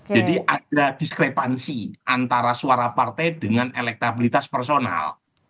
jadi ada diskrepansi antara suara partai dengan elektabilitas personal